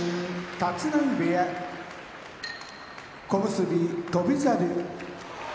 立浪部屋小結・翔猿